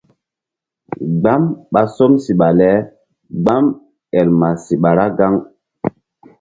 Gbam ɓa som siɓa le gbam ɓay el ma siɓa ra gaŋ.